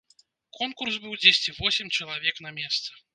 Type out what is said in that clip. Конкурс быў дзесьці восем чалавек на месца.